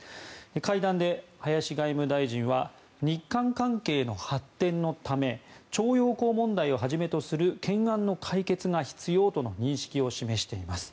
会談で、林外務大臣は日韓関係の発展のため徴用工問題をはじめとする懸案の解決が必要との認識を示しています。